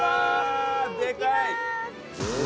でかい！